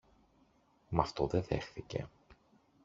Μ' αυτό δε δέχθηκε.